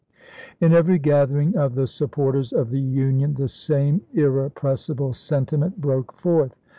In every gathering o^ the supporters of the Union the same irrepressible sentiment broke forth.